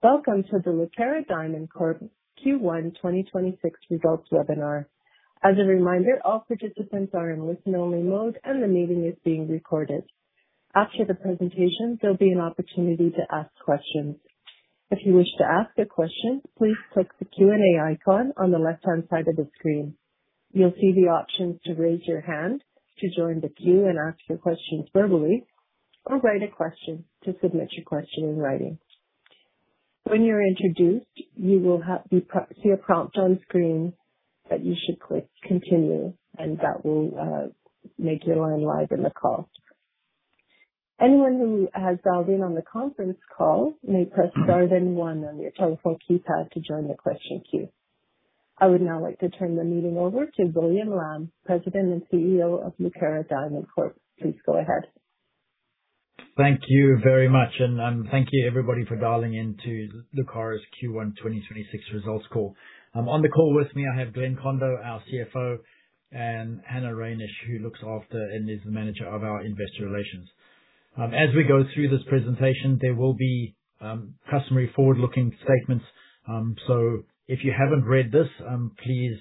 Welcome to the Lucara Diamond Corp Q1 2026 results webinar. As a reminder, all participants are in listen-only mode, and the meeting is being recorded. After the presentation, there'll be an opportunity to ask questions. If you wish to ask a question, please click the Q&A icon on the left-hand side of the screen. You'll see the option to raise your hand to join the queue and ask your question verbally, or write a question to submit your question in writing. When you're introduced, you will see a prompt on screen that you should click Continue, and that will make your line live in the call. Anyone who has dialed in on the conference call may press star then one on your telephone keypad to join the question queue. I would now like to turn the meeting over to William Lamb, President and CEO of Lucara Diamond Corp. Please go ahead. Thank you very much. Thank you everybody for dialing in to Lucara's Q1 2026 results call. On the call with me, I have Glenn Kondo, our CFO, and Hannah Reynish, who looks after and is the Manager, Investor Relations and Communications. As we go through this presentation, there will be customary forward-looking statements. If you haven't read this, please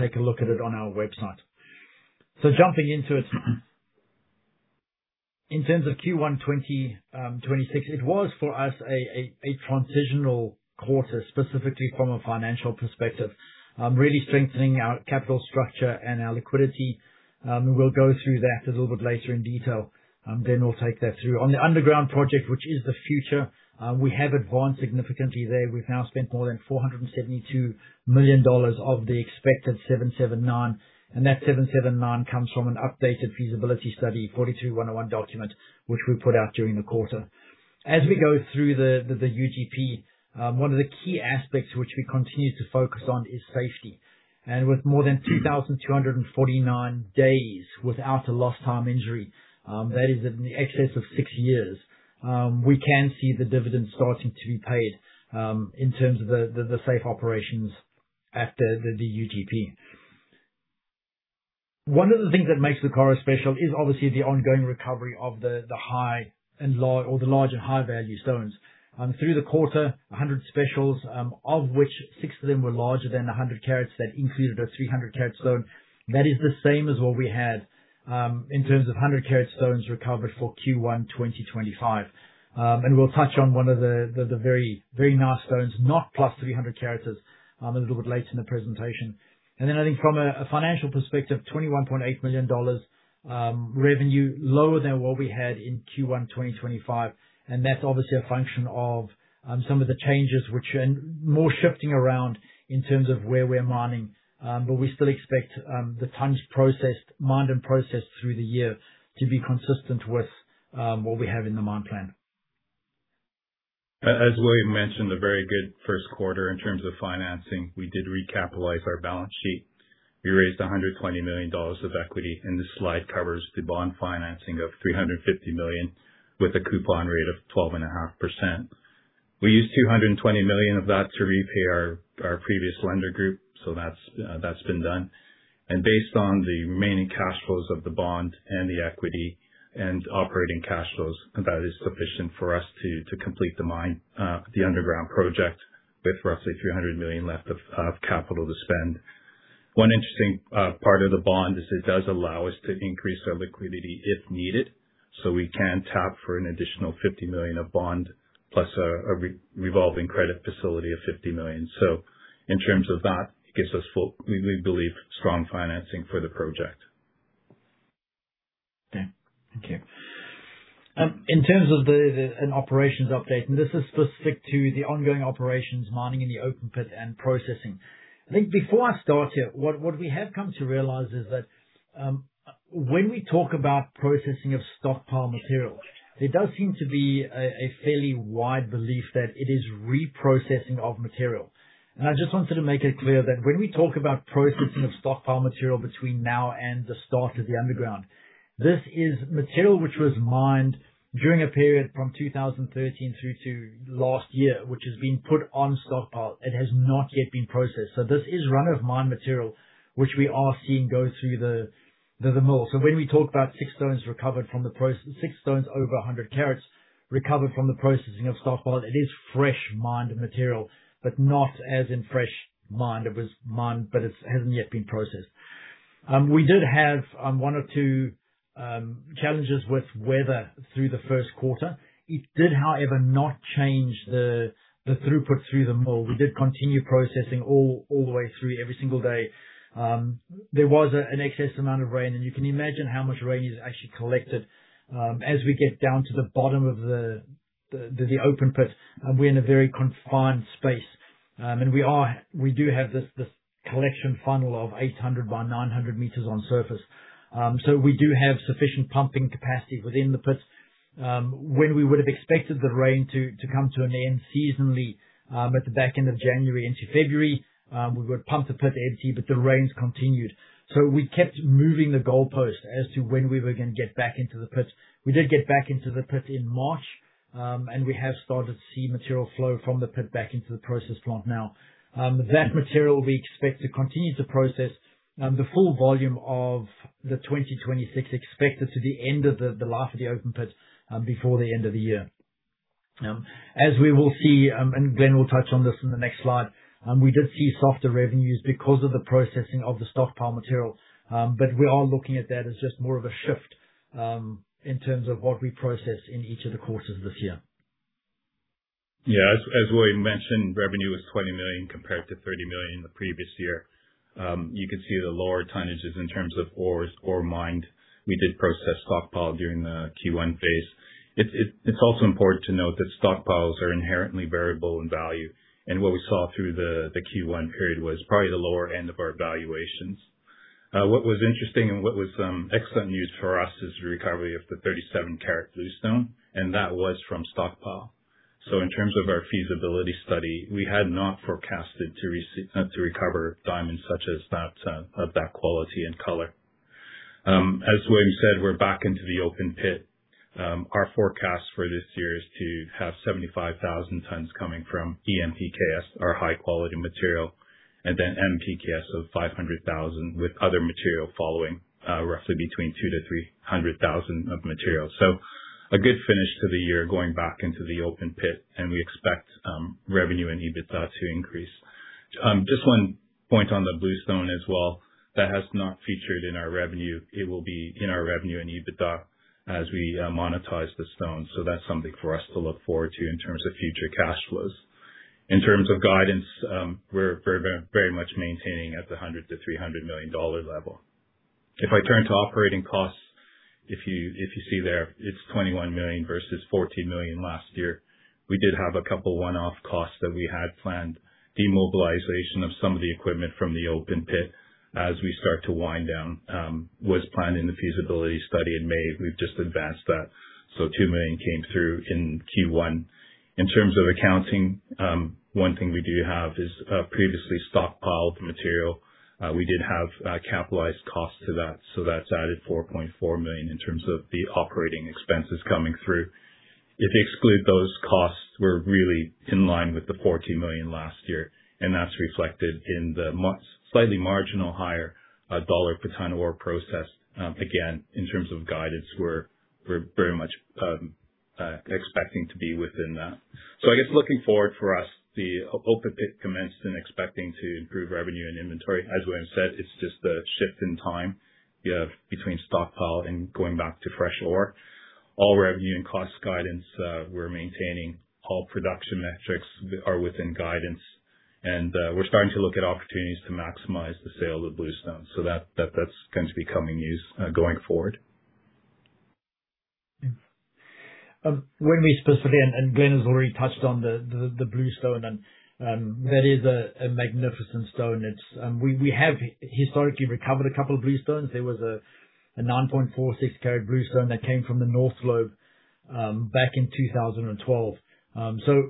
take a look at it on our website. Jumping into it. In terms of Q1 2026, it was, for us, a transitional quarter, specifically from a financial perspective. Really strengthening our capital structure and our liquidity. We'll go through that a little bit later in detail. Then we'll take that through. On the underground project, which is the future, we have advanced significantly there. We've now spent more than $472 million of the expected $779 million. That $779 million comes from an updated feasibility study, 43-101 document, which we put out during the quarter. As we go through the UGP, one of the key aspects which we continue to focus on is safety. With more than 2,249 days without a lost time injury, that is in the excess of six years, we can see the dividends starting to be paid in terms of the safe operations at the UGP. One of the things that makes Lucara special is obviously the ongoing recovery of the large and high-value stones. Through the quarter, 100 specials, of which six of them were larger than 100 carats. That included a 300 carats stone. That is the same as what we had in terms of 100 carat stones recovered for Q1 2025. And we'll touch on one of the very, very nice stones, not plus 300 carats, a little bit later in the presentation. I think from a financial perspective, $21.8 million revenue, lower than what we had in Q1 2025. That's obviously a function of some of the changes which, and more shifting around in terms of where we're mining. We still expect the tons processed, mined and processed through the year to be consistent with what we have in the mine plan. As William mentioned, a very good first quarter in terms of financing. We did recapitalize our balance sheet. We raised $120 million of equity. This slide covers the bond financing of $350 million, with a coupon rate of 12.5%. We used $220 million of that to repay our previous lender group. That's been done. Based on the remaining cash flows of the bond and the equity and operating cash flows, that is sufficient for us to complete the mine, the underground project with roughly $300 million left of capital to spend. One interesting part of the bond is it does allow us to increase our liquidity if needed, so we can tap for an additional $50 million of bond plus a revolving credit facility of $50 million. In terms of that, it gives us full, we believe, strong financing for the project. Thank you. In terms of an operations update, this is specific to the ongoing operations mining in the open pit and processing. I think before I start here, what we have come to realize is that when we talk about processing of stockpile material, there does seem to be a fairly wide belief that it is reprocessing of material. I just wanted to make it clear that when we talk about processing of stockpile material between now and the start of the underground, this is material which was mined during a period from 2013 through to last year, which has been put on stockpile. It has not yet been processed. This is run of mine material, which we are seeing go through the mill. When we talk about six stones over 100 carats recovered from the processing of stockpile, it is fresh mined material, but not as in fresh mined. It was mined, but it's, hasn't yet been processed. We did have one or two challenges with weather through the first quarter. It did, however, not change the throughput through the mill. We did continue processing all the way through every single day. There was an excess amount of rain, and you can imagine how much rain is actually collected as we get down to the bottom of the open pit. We're in a very confined space. We do have this collection funnel of 800 by 900 m on surface. We do have sufficient pumping capacity within the pit. When we would have expected the rain to come to an end seasonally, at the back end of January into February, we would pump the pit empty. The rains continued, so we kept moving the goalpost as to when we were gonna get back into the pit. We did get back into the pit in March, and we have started to see material flow from the pit back into the process plant now. That material we expect to continue to process, the full volume of the 2026 expected to the end of the life of the open pit, before the end of the year. As we will see, Glenn will touch on this in the next slide. We did see softer revenues because of the processing of the stockpile material. We are looking at that as just more of a shift, in terms of what we process in each of the quarters this year. As William Lamb mentioned, revenue was $20 million compared to $30 million the previous year. You can see the lower tonnages in terms of ore mined. We did process stockpile during the Q1 phase. It's also important to note that stockpiles are inherently variable in value, and what we saw through the Q1 period was probably the lower end of our valuations. What was interesting and what was excellent news for us is the recovery of the 37 carat blue stone, and that was from stockpile. In terms of our feasibility study, we had not forecasted to recover diamonds such as that, of that quality and color. As William said, we're back into the open pit. Our forecast for this year is to have 75,000 tons coming from EM/PK(S), our high quality material, and then M/PK(S) of 500,000 tons with other material following, roughly between 200,000-300,000 tons of material. A good finish to the year, going back into the open pit, and we expect revenue and EBITDA to increase. Just one point on the blue stone as well. That has not featured in our revenue. It will be in our revenue and EBITDA as we monetize the stone. That's something for us to look forward to in terms of future cash flows. In terms of guidance, we're very much maintaining at the $100 million-$300 million level. If I turn to operating costs, if you see there, it's $21 million versus $14 million last year. We did have a couple one-off costs that we had planned. Demobilization of some of the equipment from the open pit as we start to wind down was planned in the feasibility study in May. We've just advanced that. $2 million came through in Q1. In terms of accounting, one thing we do have is previously stockpiled material. We did have capitalized costs to that. That's added $4.4 million in terms of the operating expenses coming through. If you exclude those costs, we're really in line with the $14 million last year, and that's reflected in the slightly marginal higher dollar per ton ore processed. Again, in terms of guidance, we're very much expecting to be within that. I guess looking forward for us, the open pit commenced and expecting to improve revenue and inventory. As William said, it's just a shift in time between stockpile and going back to fresh ore. All revenue and cost guidance we're maintaining. All production metrics are within guidance and we're starting to look at opportunities to maximize the sale of blue stones. That's going to be coming years going forward. When we specifically Glenn has already touched on the blue stone, that is a magnificent stone. It's, we have historically recovered a couple of blue stones. There was a 9.46 carat blue stone that came from the North Lobe back in 2012.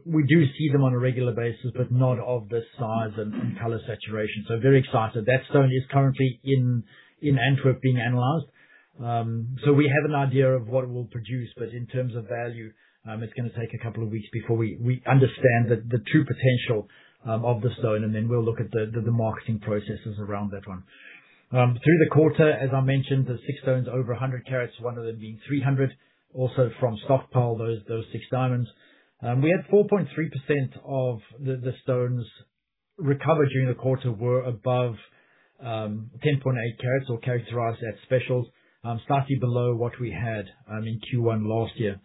We do see them on a regular basis, but not of this size and color saturation. Very excited. That stone is currently in Antwerp being analyzed. We have an idea of what it will produce, but in terms of value, it's gonna take a couple of weeks before we understand the true potential of the stone, and then we'll look at the marketing processes around that one. Through the quarter, as I mentioned, the six stones over 100 carats, one of them being 300, also from stockpile, those six diamonds. We had 4.3% of the stones recovered during the quarter were above 10.8 carats or characterized as specials, slightly below what we had in Q1 last year.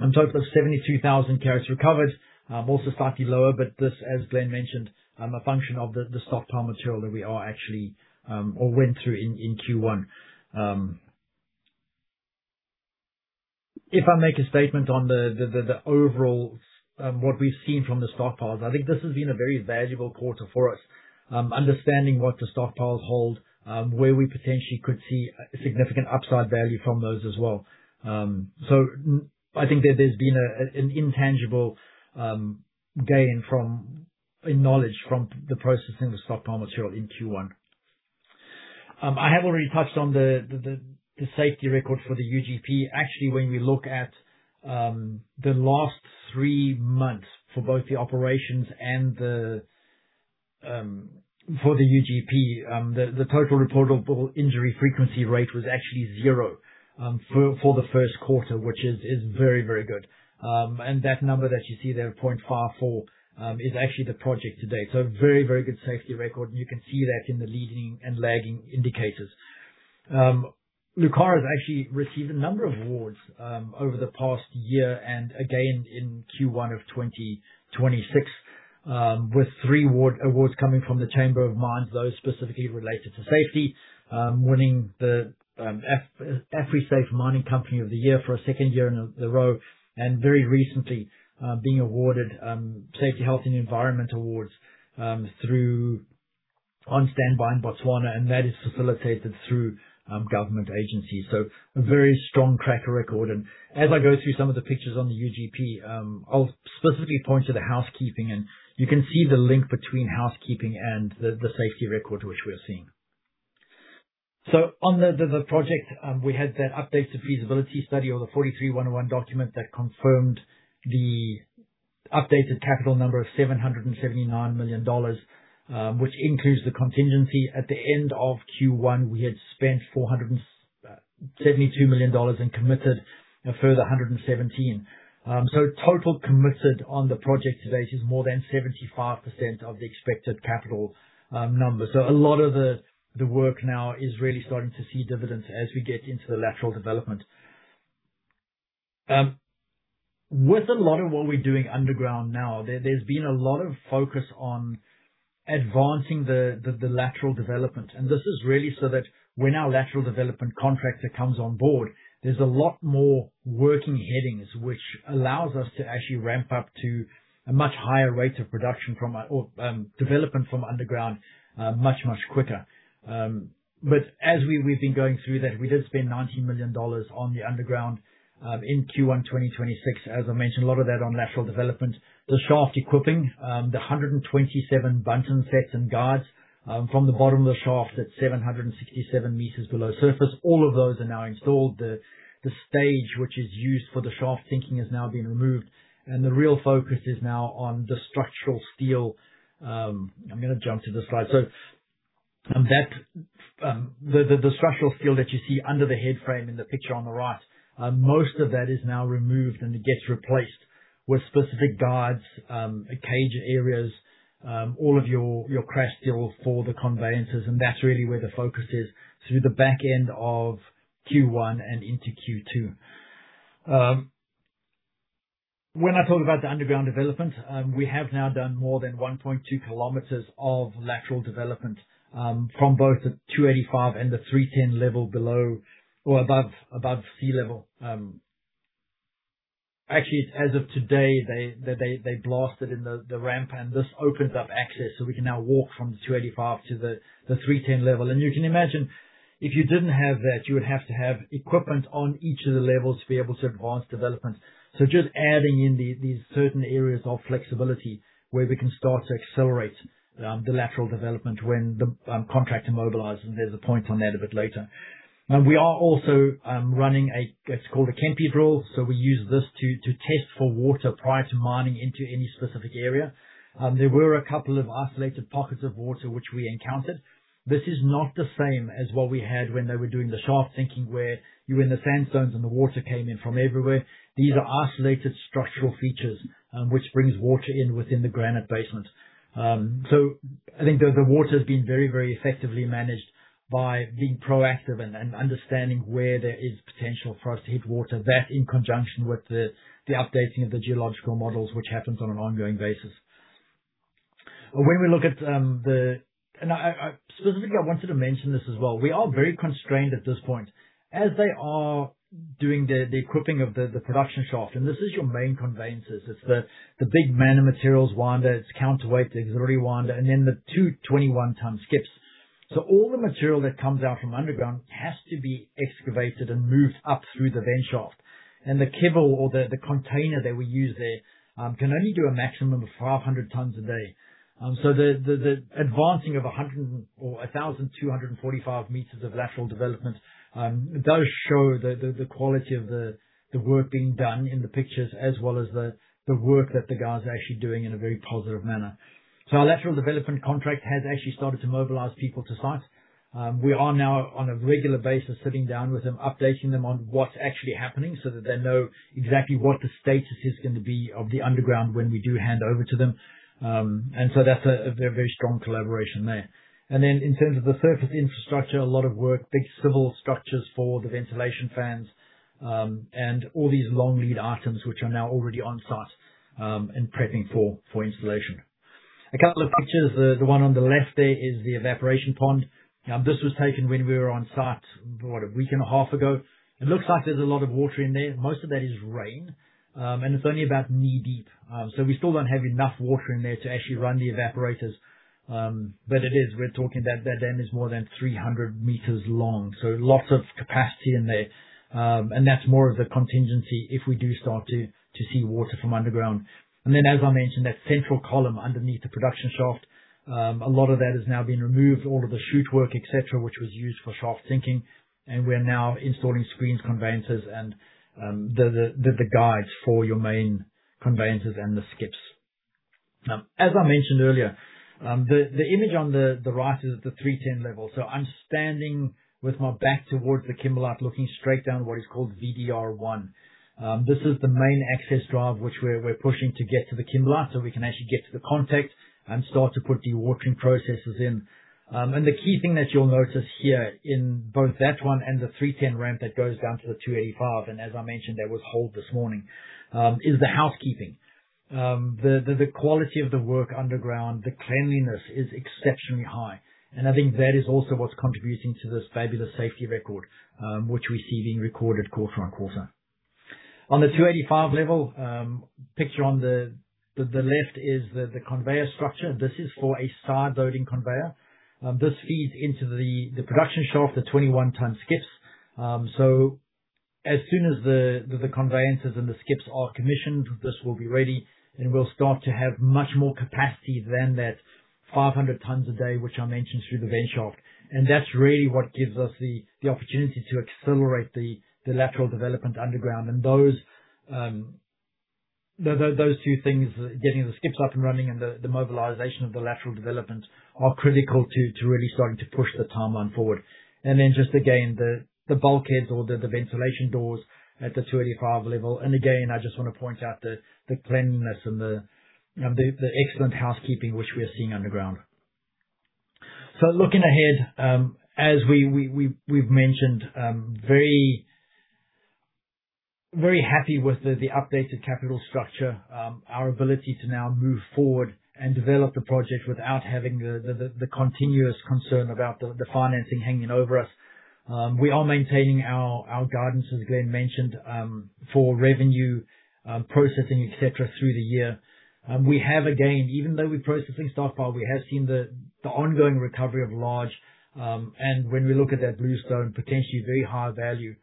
In total, 72,000 carats recovered. Also slightly lower, but this, as Glenn mentioned, a function of the stockpile material that we are actually or went through in Q1. If I make a statement on the overall what we've seen from the stockpiles, I think this has been a very valuable quarter for us. Understanding what the stockpiles hold, where we potentially could see a significant upside value from those as well. I think there's been an intangible gain from a knowledge from the processing of the stockpile material in Q1. I have already touched on the safety record for the UGP. Actually, when we look at the last three months for both the operations and for the UGP, the total reportable injury frequency rate was actually zero for the first quarter, which is very, very good. And that number that you see there, 0.54, is actually the project to date. Very, very good safety record. You can see that in the leading and lagging indicators. Lucara has actually received a number of awards over the past year and again in Q1 of 2026, with three awards coming from the Chamber of Mines, those specifically related to safety. winning the AfriSAFE Mining Company of the Year for a second year in a row, and very recently being awarded Safety, Health and Environment Awards through On Standby in Botswana, and that is facilitated through government agencies. A very strong track record. As I go through some of the pictures on the UGP, I'll specifically point to the housekeeping, and you can see the link between housekeeping and the safety record which we're seeing. On the project, we had that updated feasibility study or the 43-101 document that confirmed the updated capital number of $779 million, which includes the contingency. At the end of Q1, we had spent $472 million and committed a further $117 million. Total committed on the project to date is more than 75% of the expected capital number. A lot of the work now is really starting to see dividends as we get into the lateral development. With a lot of what we're doing underground now, there's been a lot of focus on advancing the lateral development. This is really so that when our lateral development contractor comes on board, there's a lot more working headings which allows us to actually ramp up to a much higher rate of production or development from underground, much quicker. As we've been going through that, we did spend $90 million on the underground in Q1 2026. As I mentioned, a lot of that on lateral development. The shaft equipping, the 127 bunton sets and guides, from the bottom of the shaft at 767 m below surface, all of those are now installed. The stage which is used for the shaft sinking has now been removed, and the real focus is now on the structural steel. I'm gonna jump to the slide. That the structural steel that you see under the headframe in the picture on the right, most of that is now removed, and it gets replaced with specific guards, cage areas, all of your crash steel for the conveyances, and that's really where the focus is through the back end of Q1 and into Q2. When I talk about the underground development, we have now done more than 1.2 km of lateral development from both the 285 and the 310 level below or above sea level. Actually as of today, they blasted in the ramp and this opens up access, so we can now walk from the 285 to the 310 level. You can imagine if you didn't have that, you would have to have equipment on each of the levels to be able to advance development. Just adding in these certain areas of flexibility where we can start to accelerate the lateral development when the contractor mobilizes. There's a point on that a bit later. We are also running a, it's called a Kempe drill, so we use this to test for water prior to mining into any specific area. There were a couple of isolated pockets of water which we encountered. This is not the same as what we had when they were doing the shaft sinking, where you were in the sandstones and the water came in from everywhere. These are isolated structural features which brings water in within the granite basement. I think the water's been very, very effectively managed by being proactive and understanding where there is potential for us to hit water. That in conjunction with the updating of the geological models, which happens on an ongoing basis. When we look at, I specifically I wanted to mention this as well. We are very constrained at this point. As they are doing the equipping of the production shaft, and this is your main conveyances. It's the big main materials winder, its counterweight, the auxiliary winder, and then the two 21 ton skips. All the material that comes out from underground has to be excavated and moved up through the vent shaft. The kibble or the container that we use there can only do a maximum of 500 tons a day. The advancing of 100 or 1,245 m of lateral development, does show the quality of the work being done in the pictures as well as the work that the guys are actually doing in a very positive manner. Our lateral development contract has actually started to mobilize people to site. We are now on a regular basis sitting down with them, updating them on what's actually happening so that they know exactly what the status is going to be of the underground when we do hand over to them. That's a very strong collaboration there. In terms of the surface infrastructure, a lot of work, big civil structures for the ventilation fans, and all these long lead items which are now already on site, and prepping for installation. A couple of pictures. The one on the left there is the evaporation pond. This was taken when we were on site, what, a week and a half ago. It looks like there's a lot of water in there. Most of that is rain, and it's only about knee-deep. We still don't have enough water in there to actually run the evaporators. We're talking that dam is more than 300 m long, lots of capacity in there. That's more of a contingency if we do start to see water from underground. As I mentioned, that central column underneath the production shaft, a lot of that has now been removed, all of the chute work, et cetera, which was used for shaft sinking, and we're now installing screens, conveyances and the guides for your main conveyances and the skips. As I mentioned earlier, the image on the right is the 310 level. I'm standing with my back towards the kimberlite, looking straight down what is called VDR one. This is the main access drive which we're pushing to get to the kimberlite, so we can actually get to the contact and start to put dewatering processes in. The key thing that you'll notice here in both that one and the 310 ramp that goes down to the 285, and as I mentioned, that was holed this morning, is the housekeeping. The quality of the work underground, the cleanliness is exceptionally high. I think that is also what's contributing to this fabulous safety record, which we see being recorded quarter on quarter. On the 285 level, picture on the left is the conveyor structure. This is for a side loading conveyor. This feeds into the production shaft, the 21 ton skips. As soon as the conveyances and the skips are commissioned, this will be ready, and we'll start to have much more capacity than that 500 tons a day, which I mentioned through the vent shaft. That's really what gives us the opportunity to accelerate the lateral development underground. Those two things, getting the skips up and running and the mobilization of the lateral development are critical to really starting to push the timeline forward. Then just again, the bulkheads or the ventilation doors at the 285 level. Again, I just wanna point out the cleanliness and the excellent housekeeping which we are seeing underground. Looking ahead, as we've mentioned, very happy with the updated capital structure. Our ability to now move forward and develop the project without having the continuous concern about the financing hanging over us. We are maintaining our guidance, as Glenn mentioned, for revenue, processing, et cetera, through the year. We have again, even though we're processing stockpile, we have seen the ongoing recovery of large, and when we look at that blue stone, potentially very high value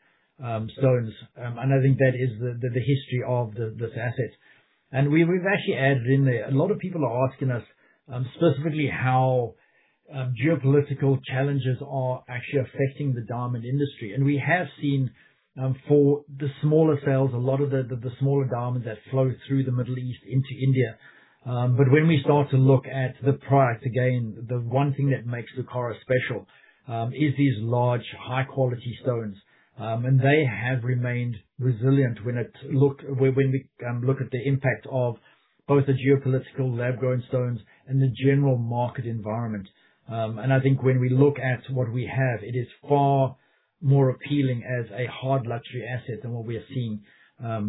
stones. I think that is the history of this asset. We've actually added in there. A lot of people are asking us specifically how geopolitical challenges are actually affecting the diamond industry. We have seen for the smaller sales, a lot of the smaller diamonds that flow through the Middle East into India. When we start to look at the product, again, the one thing that makes Lucara special, is these large, high quality stones. They have remained resilient when we look at the impact of both the geopolitical lab-grown stones and the general market environment. I think when we look at what we have, it is far more appealing as a hard luxury asset than what we are seeing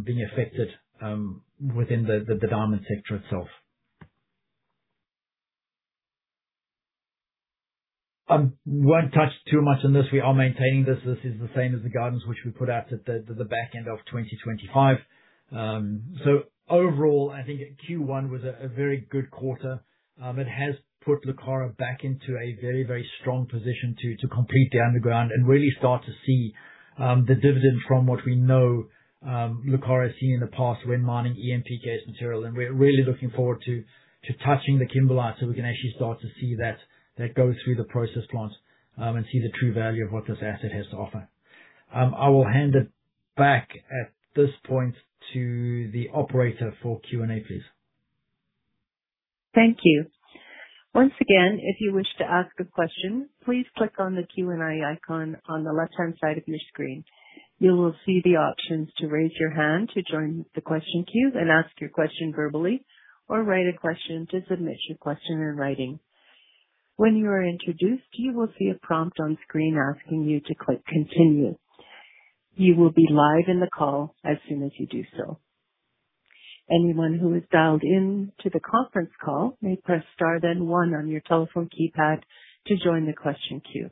being affected within the diamond sector itself. Won't touch too much on this. We are maintaining this. This is the same as the guidance which we put out at the back end of 2025. Overall, I think Q1 was a very good quarter. It has put Lucara back into a very, very strong position to complete the underground and really start to see the dividend from what we know Lucara has seen in the past when mining EM/PK(S) material. We're really looking forward to touching the kimberlite, so we can actually start to see that goes through the process plant, and see the true value of what this asset has to offer. I will hand it back at this point to the operator for Q&A, please. Thank you. Once again, if you wish to ask a question, please click on the Q&A icon on the left-hand side of your screen. You will see the options to raise your hand to join the question queue and ask your question verbally, or write a question to submit your question in writing. When you are introduced, you will see a prompt on screen asking you to click Continue. You will be live in the call as soon as you do so. Anyone who is dialed in to the conference call may press star then one on your telephone keypad to join the question queue.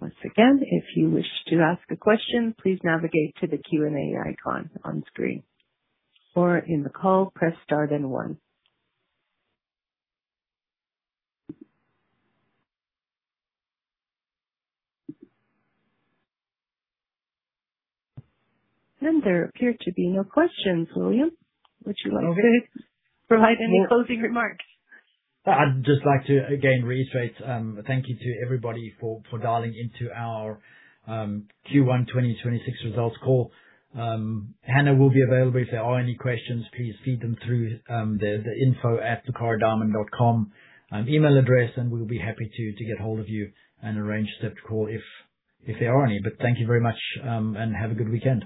Once again, if you wish to ask a question, please navigate to the Q&A icon on screen or in the call, press star then one. There appear to be no questions. William, would you like to- Okay. Provide any closing remarks? I'd just like to again reiterate, thank you to everybody for dialing into our Q1 2026 results call. Hannah will be available. If there are any questions, please feed them through the info at lucaradiamond.com email address, and we'll be happy to get hold of you and arrange a separate call if there are any. Thank you very much, and have a good weekend.